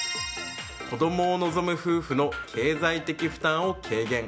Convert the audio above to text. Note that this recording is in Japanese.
子供を望む夫婦の経済的負担を軽減。